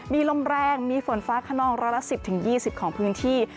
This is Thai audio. มีลมแรงมีฝนฟ้าขนองร้อยละ๑๐๒๐ของพื้นที่